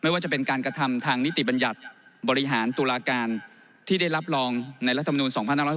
ว่าจะเป็นการกระทำทางนิติบัญญัติบริหารตุลาการที่ได้รับรองในรัฐมนูล๒๕๖๐